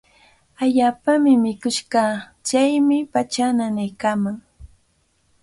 Allaapami mikush kaa. Chaymi pachaa nanaykaaman.